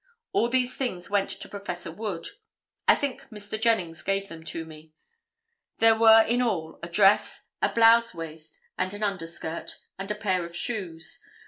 All these things went to Prof. Wood. I think Mr. Jennings gave them to me. There were in all a dress, a blouse waist and underskirt and a pair of shoes.